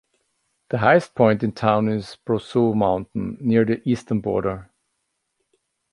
The highest point in town is Brousseau Mountain near the eastern border.